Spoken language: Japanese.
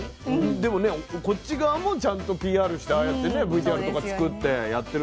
でもねこっち側もちゃんとＰＲしてああやってねＶＴＲとか作ってやってるんですね。